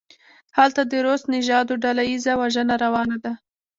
هلته د روس نژادو ډله ایزه وژنه روانه ده.